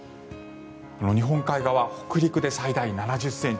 日本海側、北陸で最大７０ｃｍ。